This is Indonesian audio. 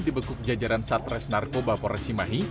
dibekuk jajaran satres narkoba poresimahi